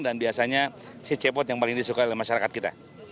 dan biasanya si cepot yang paling disukai oleh masyarakat kita